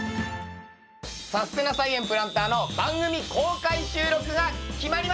「さすてな菜園プランター」の番組公開収録が決まりました！